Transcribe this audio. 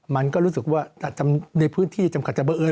มันก็รู้สึกว่าในพื้นที่จำกัดจะเบอร์เอิ